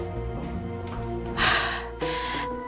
nino dalam krisis keuangan